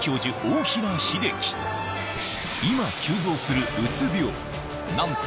今急増するうつ病なんと